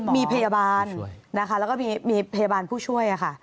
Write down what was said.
มีพยาบาลนะคะแล้วก็มีพยาบาลผู้ช่วยค่ะ